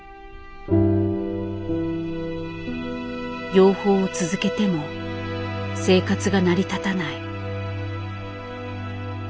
養蜂を続けても生活が成り立たない。